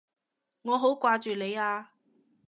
我好掛住你啊！